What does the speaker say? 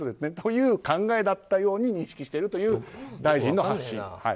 という考えだったように認識しているという大臣の発信。